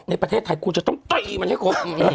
ในประเทศไทยคุณจะต้องตีมันให้ครบ